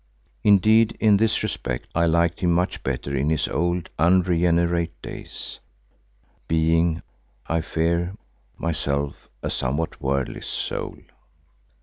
Indeed in this respect I liked him much better in his old, unregenerate days, being, I fear, myself a somewhat worldly soul.